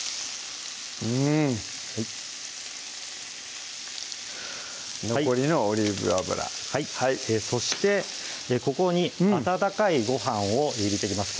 うん残りのオリーブ油はいそしてここに温かいご飯を入れていきます